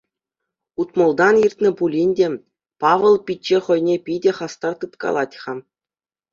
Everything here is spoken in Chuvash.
Утмӑлтан иртнӗ пулин те, Павӑл пичче хӑйне питӗ хастар тыткалать-ха.